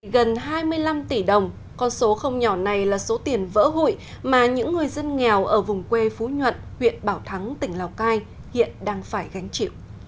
gần hai mươi năm tỷ đồng con số không nhỏ này là số tiền vỡ hụi mà những người dân nghèo ở vùng quê phú nhuận huyện bảo thắng tỉnh lào cai hiện đang phải gánh chịu